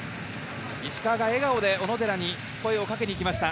石川が笑顔で小野寺に声をかけに行きました。